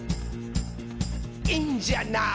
「いいんじゃない？」